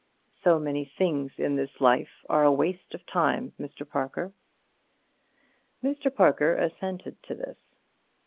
So many things in this life are a waste of time, Mr. Parker." Mr. Parker assented to this.